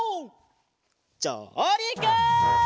じょうりく！